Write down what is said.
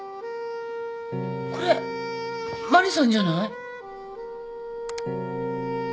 これマリさんじゃない？